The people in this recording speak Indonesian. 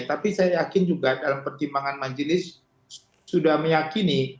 tapi saya yakin juga dalam pertimbangan majelis sudah meyakini